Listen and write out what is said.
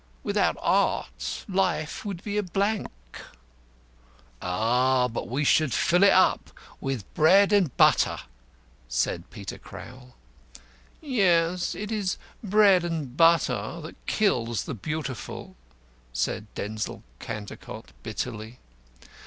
Without art life would be a blank." "Ah, but we should fill it up with bread and butter," said Peter Crowl. "Yes, it is bread and butter that kills the Beautiful," said Denzil Cantercot, bitterly.